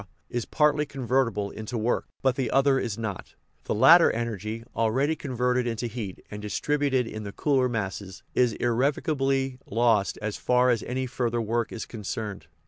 is partly convertible into work, but the other is not ; the latter energy, already converted into heat and distributed in the cooler masses, is irrevo cably lost as far as any further work is concerned.